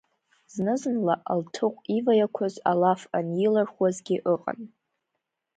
Зны-зынла Алҭыҟә иваиақәаз алаф анилырхуазгьы ыҟан.